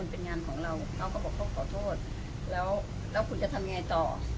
เป็นงานของเราเขาก็บอกเขาขอโทษแล้วแล้วคุณจะทำยังไงต่อ